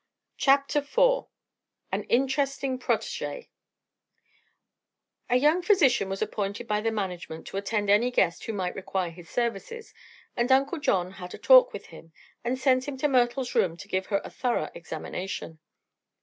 CHAPTER IV AN INTERESTING PROTÉGÉ A young physician was appointed by the management to attend any guest who might require his services, and Uncle John had a talk with him and sent him to Myrtle's room to give her a thorough examination.